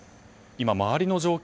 今、周りの状況